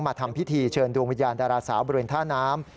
ทำพิธีเชิญดวงวิญญาณดาราสาวบริเวณท่าน้ำ